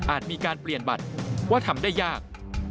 มีการเปลี่ยนบัตรว่าทำได้ยาก